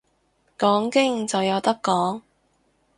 講經就有得講